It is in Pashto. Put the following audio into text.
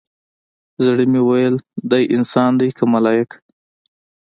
زړه مې ويل دى انسان دى كه ملايك؟